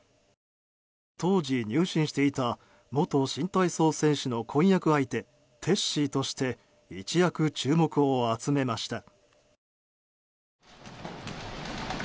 当時、入信していた元新体操選手の婚約相手テッシーとして一躍注目を集めました。